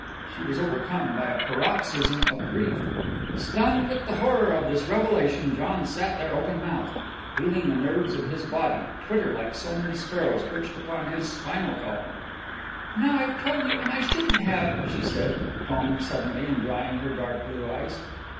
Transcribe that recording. She was overcome by a paroxysm of grief. Stunned with the horror of this revelation, John sat there open mouthed, feeling the nerves of his body twitter like so many sparrows perched upon his spinal column. "Now, I've told you, and I shouldn't have," she said, calming suddenly and drying her dark blue eyes.